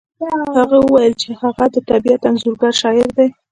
هغې وویل چې هغه د طبیعت انځورګر شاعر دی